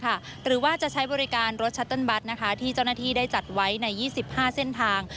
หรือว่าจะใช้บริการรถชัตเติ้ลบัตรที่เจ้าหน้าที่ได้จัดไว้ใน๒๕เส้นทาง